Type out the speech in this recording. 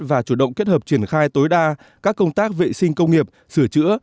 và chủ động kết hợp triển khai tối đa các công tác vệ sinh công nghiệp sửa chữa